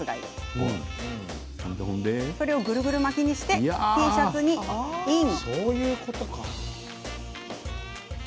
それを、グルグル巻きにしてＴシャツにイン。